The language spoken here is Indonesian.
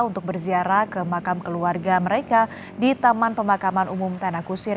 untuk berziarah ke makam keluarga mereka di taman pemakaman umum tanah kusir